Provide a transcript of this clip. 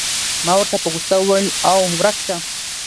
ما ورته په غوسه وویل: اوه، ورک شه.